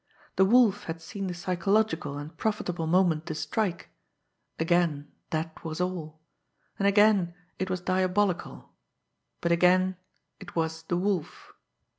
The Wolf had seen the psychological and profitable moment to strike again that was all! And again it was diabolical but again it was the Wolf!